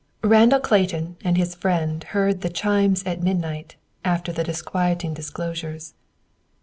Randall Clayton and his friend heard the "chimes at midnight" after the disquieting disclosures.